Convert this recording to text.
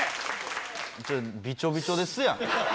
ちょっとびちょびちょですやん。